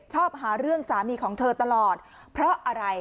ชอบหาเรื่องสามีของเธอตลอดเพราะอะไร